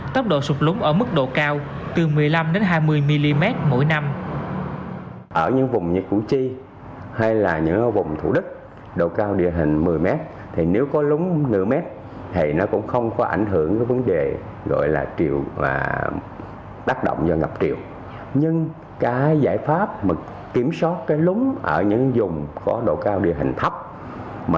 tốc độ sụp lúng ở mức độ cao từ một mươi năm hai mươi mm mỗi năm